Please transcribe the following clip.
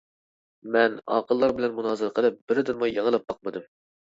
مەن ئاقىللار بىلەن مۇنازىرە قىلىپ بىرىدىنمۇ يېڭىلىپ باقمىدىم.